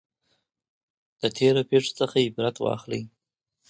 د تیرو پیښو څخه عبرت واخلئ.